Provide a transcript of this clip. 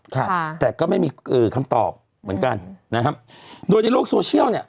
ค่ะแต่ก็ไม่มีเอ่อคำตอบเหมือนกันนะครับโดยในโลกโซเชียลเนี่ย